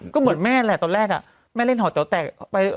ก็เหมือนแม่แหละตอนแรกแม่เล่นหอแจ๋วแตกไป